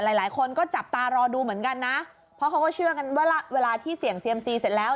หลายคนก็จับตารอดูเหมือนกันนะเพราะเขาก็เชื่อกันว่าเวลาที่เสี่ยงเซียมซีเสร็จแล้ว